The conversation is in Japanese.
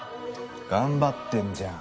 頑張ってんじゃん。